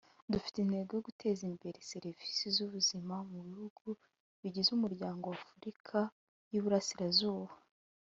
Dufite intego yo guteza imbere serivise z’ubuzima mu bihugu bigize umuryango wa Afurika y’Iburasirazuba”